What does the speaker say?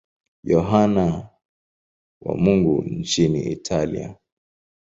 Yohane wa Mungu nchini Italia.